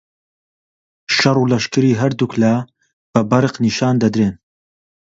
شەڕ و لەشکری هەردووک لا بە بەرق نیشان دەدرێن